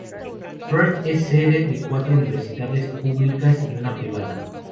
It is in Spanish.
Perth es sede de cuatro universidades públicas y una privada.